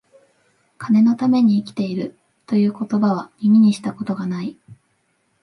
金のために生きている、という言葉は、耳にした事が無い